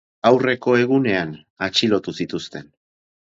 Aurreko egunean atxilotu zituzten.